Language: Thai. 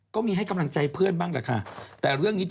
ก็ให้กำลังใจเพื่อนบ้างแหละค่ะ